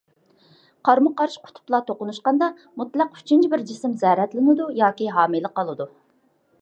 قارمۇ قارشى قۇتۇپلار توقۇنۇشقاندا مۇتلەقا ئۈچىنچى بىر جىسىم زەرەتلىنىدۇ ياكى ھامىلە قالىدۇ.